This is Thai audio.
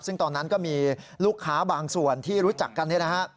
ซึ่งตอนนั้นก็มีลูกค้าบางส่วนที่รู้จักกันเนี่ยนะฮะ